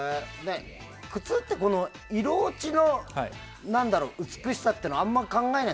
靴って色落ちの美しさってのはあんまり考えない。